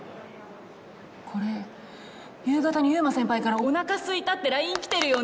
これ夕方に優馬先輩から「お腹空いた」ってＬＩＮＥ来てるよね？